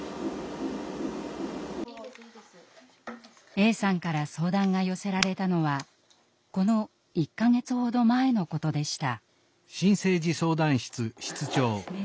Ａさんから相談が寄せられたのはこの１か月ほど前のことでした。